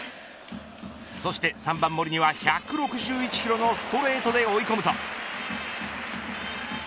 そして３番森には１６１キロのストレートで追い込むと。